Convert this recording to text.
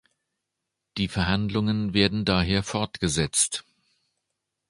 Die Verhandlungen werden daher fortgesetzt.